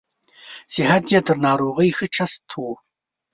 صحت یې تر ناروغۍ ښه چست و.